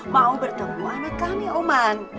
mau bertemu anak kami oman